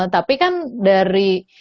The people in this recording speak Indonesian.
tapi kan dari